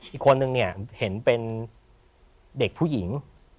อีกคนนึงเนี่ยเห็นเป็นเด็กผู้หญิง